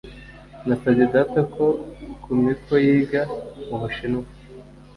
Nasabye data ko Kumiko yiga mu Bushinwa